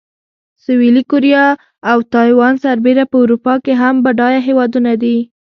سویلي کوریا او تایوان سربېره په اروپا کې هم بډایه هېوادونه دي.